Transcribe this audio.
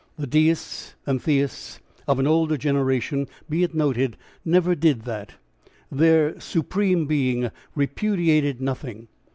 The Deists and Theists of an older generation, be it noted, never did that. Their "Supreme Being" repudiated nothing.